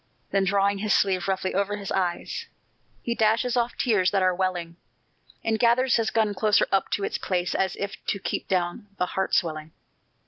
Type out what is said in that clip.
Then drawing his sleeve roughly over his eyes, He dashes off tears that are welling, And gathers his gun closer up to its place As if to keep down the heart swelling.